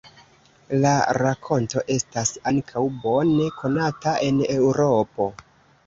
La rakonto estas ankaŭ bone konata en Eŭropo.